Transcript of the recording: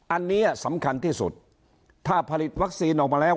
อันนี้สำคัญที่สุดถ้าผลิตวัคซีนออกมาแล้ว